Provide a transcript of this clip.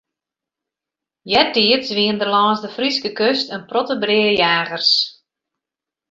Eartiids wienen der lâns de Fryske kust in protte breajagers.